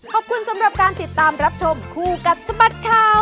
ขอบคุณสำหรับการติดตามรับชมคู่กับสบัดข่าว